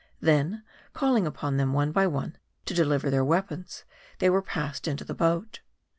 Then, calling upon them one by one to deliver their weapons, they were passed into the boat.